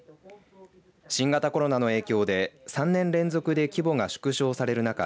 新型コロナの影響で３年連続で規模が縮小されました。